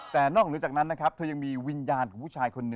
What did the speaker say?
แต่นอกเหนือจากนั้นนะครับเธอยังมีวิญญาณของผู้ชายคนหนึ่ง